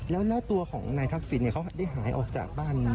แล้วตัวของนายทักษิณเขาได้หายออกจากบ้านมา